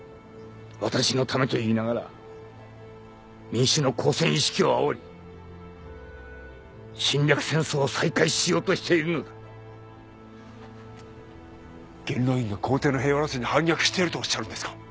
私のためと言いながら民衆の交戦意識を煽り侵略戦争を再開しようとしているのだ元老院が皇帝の平和路線に反逆しているとおっしゃるのですか